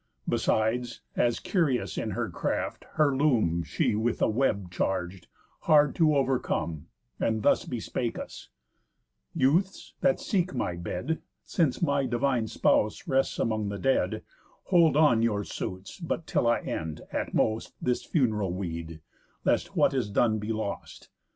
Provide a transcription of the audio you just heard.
Besides, as curious in her craft, her loom She with a web charg'd, hard to overcome, And thus bespake us: 'Youths, that seek my bed, Since my divine spouse rests amongst the dead, Hold on your suits but till I end, at most, This funeral weed, lest what is done be lost.